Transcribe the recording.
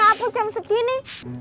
udah nyapu nyapu jam segini